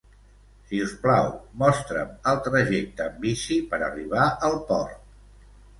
Si us plau, mostra'm el trajecte en bici per arribar al Port.